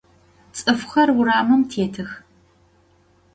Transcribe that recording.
Ts'ıfxer vuramım têtıx.